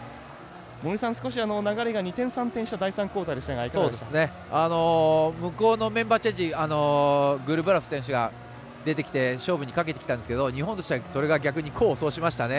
森さん、少し流れが二転三転した第３クオーターでしたが向こうのメンバーチェンジでグルブラク選手が出てきて勝負にかけてきたんですが日本としては逆に功を奏しましたね。